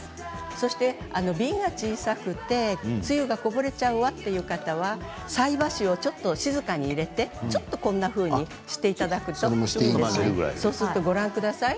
そして瓶が小さくて、水がこぼれちゃうわという方は菜箸をちょっと静かに入れてこんなふうにしていただくとそうするとご覧ください